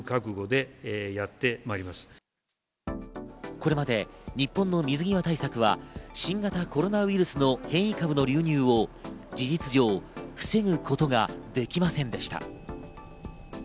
これまで日本の水際対策は新型コロナウイルスの変異株の流入を事実上、防ぐことができませんでした。